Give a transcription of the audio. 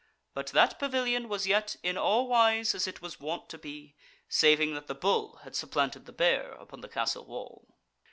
But that pavilion was yet in all wise as it was wont to be, saving that the Bull had supplanted the Bear upon the Castle wall.